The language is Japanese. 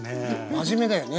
真面目だよね。